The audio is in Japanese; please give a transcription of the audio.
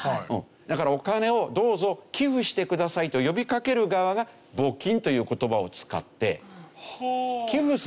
だからお金をどうぞ寄付してくださいと呼びかける側が「募金」という言葉を使って。